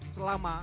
selama berapa tahun